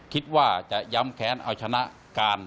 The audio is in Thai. คิดว่าจะย้ำแค้นเอาชนะการ